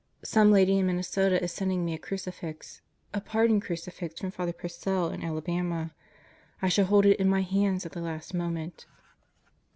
Some lady in Minnesota is sending me a Cruci fix a Pardon Crucifix from Father Purcell in Alabama. I shall hold it in my hands at the last moment.